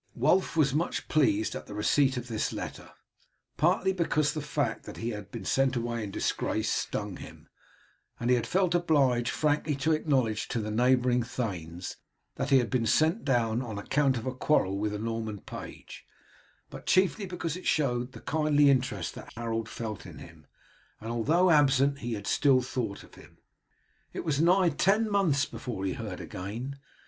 Wulf was much pleased at the receipt of this letter, partly because the fact that he had been sent away in disgrace stung him, and he had felt obliged frankly to acknowledge to the neighbouring thanes that he had been sent down on account of a quarrel with a Norman page; but chiefly because it showed the kindly interest that Harold felt in him, and that although absent he had still thought of him. It was nigh ten months before he heard again.